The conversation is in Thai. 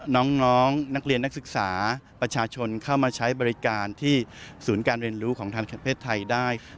น้องนักเรียนนักศึกษาประชาชนเข้ามาใช้บริการที่ศูนย์การเรียนรู้ของทางเพศไทยได้